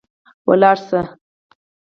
ولاړ سئ